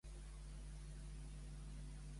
Poc després, el gremi van aprovar els estatuts.